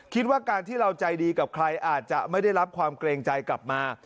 คิดว่าการที่เราใจดีกับใครอาจจะไม่ได้รับความเกรงใจกลับมา